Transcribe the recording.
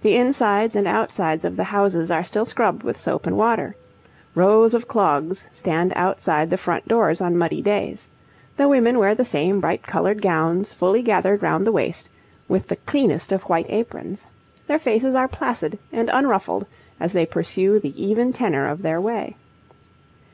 The insides and outsides of the houses are still scrubbed with soap and water; rows of clogs stand outside the front doors on muddy days; the women wear the same bright coloured gowns fully gathered round the waist, with the cleanest of white aprons; their faces are placid and unruffled as they pursue the even tenour of their way.